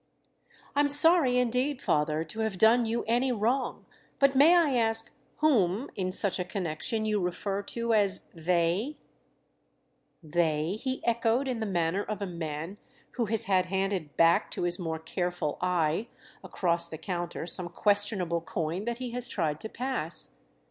"I'm sorry indeed, father, to have done you any wrong; but may I ask whom, in such a connection, you refer to as 'they'?" "'They'?" he echoed in the manner of a man who has had handed back to his more careful eye, across the counter, some questionable coin that he has tried to pass.